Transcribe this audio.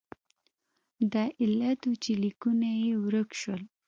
دا علت و چې لیکونه یې ورک شول.